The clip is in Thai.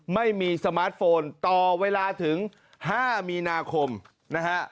ไม่มีสมาร์ทโฟนต่อเวลาถึง๕มีนาคมนะฮะ